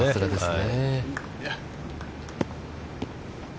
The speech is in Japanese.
そうですね。